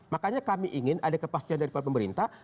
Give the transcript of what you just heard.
makanya kami ingin ada kepastian dari pemerintah